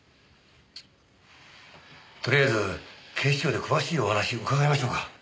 とりあえず警視庁で詳しいお話うかがいましょうか。